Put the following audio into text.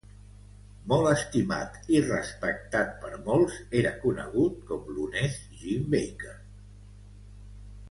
Molt estimat i respectat per molts, era conegut com "l'honest Jim Baker".